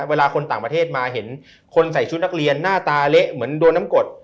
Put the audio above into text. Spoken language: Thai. คนต่างประเทศมาเห็นคนใส่ชุดนักเรียนหน้าตาเละเหมือนโดนน้ำกด